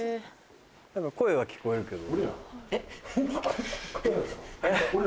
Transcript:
何か声は聞こえるけど。